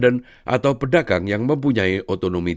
dari kemampuan penjualan penerbangan dan penghasilan